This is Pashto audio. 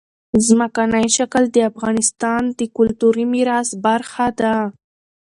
ځمکنی شکل د افغانستان د کلتوري میراث برخه ده.